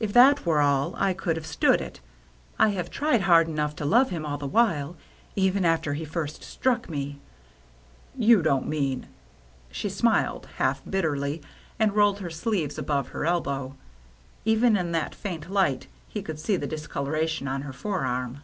If that were all, I could have stood it. I have tried hard enough to love him all the while. Even after he first struck me —"" You don't mean —" She smiled, half bitterly, and rolled her sleeve up above her elbow. Even in that faint light he could see the discoloration on her forearm.